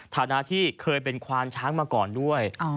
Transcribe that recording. ฐานะที่เคยเป็นควานช้างมาก่อนด้วย